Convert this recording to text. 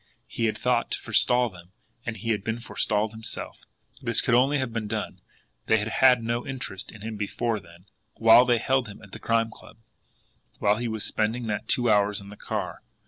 He had thought to forestall them and he had been forestalled himself! This could only have been done they had had no interest in him before then while they held him at the Crime Club, while he was spending that two hours in the car!